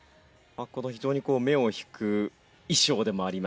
非常に目を引く衣装でもありますしね。